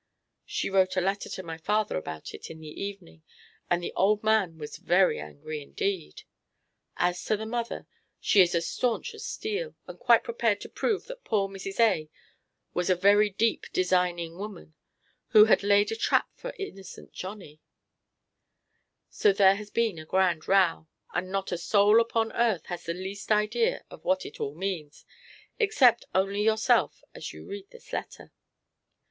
She wrote a letter to my father about it in the evening, and the old man was very angry indeed. As to the mother, she is as staunch as steel, and quite prepared to prove that poor Mrs. A. was a very deep designing person, who had laid a trap for innocent Johnnie. So there has been a grand row; and not a soul upon earth has the least idea of what it all means, except only yourself as you read this letter.